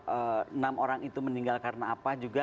enam orang itu meninggal karena apa juga